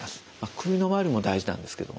首のまわりも大事なんですけれどもね。